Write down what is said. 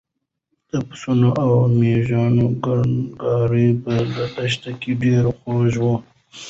د پسونو او مېږو کړنګار په دښته کې ډېر خوږ و.